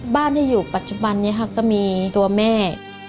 บ้านที่อยู่ปัจจุบันนี้ค่ะก็มีตัวแม่